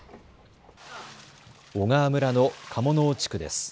小川村の鴨ノ尾地区です。